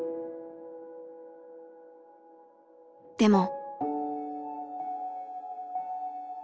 でも。